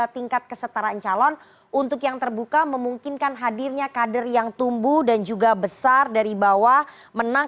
tingkat kesetaraan calon untuk yang terbuka memungkinkan hadirnya kader yang tumbuh dan juga besar dari bawah menang